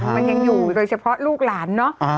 มันยังอยู่โดยเฉพาะลูกหลานเนอะ